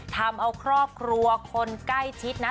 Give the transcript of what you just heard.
ทำเอาครอบครัวคนใกล้ชิดนะ